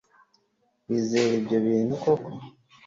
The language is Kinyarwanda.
Wizera ibyo bintu koko